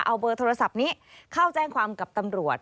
เอาเบอร์โทรศัพท์นี้เข้าแจ้งความกับตำรวจ